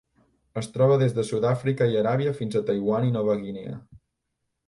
Es troba des de Sud-àfrica i Aràbia fins a Taiwan i Nova Guinea.